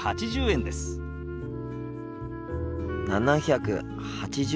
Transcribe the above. ７８０円ですね？